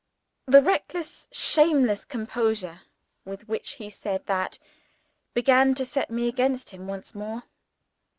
The reckless, shameless composure with which he said that, began to set me against him once more.